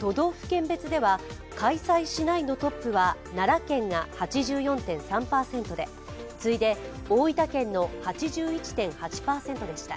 都道府県別では開催しないのトップは奈良県が８４．３％で次いで、大分県の８１．８％でした。